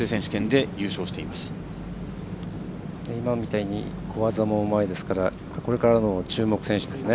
今みたいに小技もうまいですからこれからの注目選手ですね。